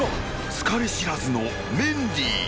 ［疲れ知らずのメンディー］